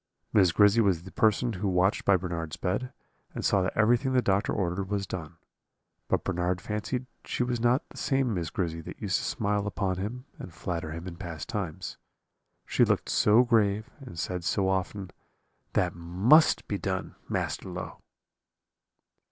"Miss Grizzy was the person who watched by Bernard's bed, and saw that everything the doctor ordered was done; but Bernard fancied she was not the same Miss Grizzy that used to smile upon him and flatter him in past times, she looked so grave, and said so often, 'That must be done, Master Low.'